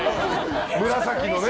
紫のね。